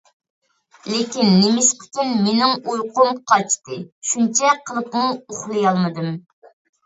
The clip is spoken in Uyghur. لېكىن نېمىشقىكىن مېنىڭ ئۇيقۇم قاچتى، شۇنچە قىلىپمۇ ئۇخلىيالمىدىم.